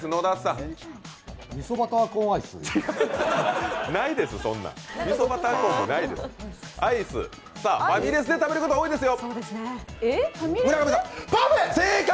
ファミレスで食べること、多いですよ。